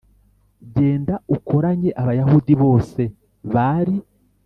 genda ukoranye abayahudi bose bari